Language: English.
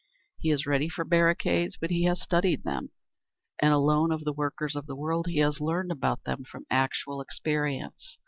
He is ready for barricades, but he has studied them, and alone of the workers of the world he has learned about them from actual experience.